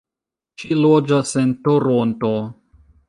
Ŝi loĝas en Toronto.